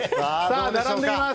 並んでいます。